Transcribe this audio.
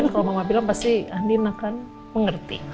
kalau mama bilang pasti ahdin akan mengerti